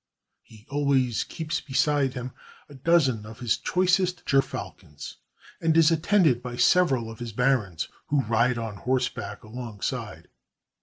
He always keeps 109 CHINA beside him a dozen of his choicest gerfalcons, and is attended by several of his barons, who ride on horseback alongside.